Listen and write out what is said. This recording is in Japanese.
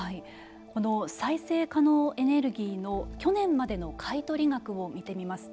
再生可能エネルギーの去年までの買い取り額を見てみますと